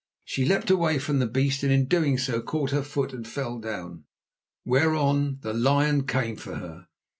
She leapt away from the beast, and in so doing caught her foot and fell down, whereon the lion came for her.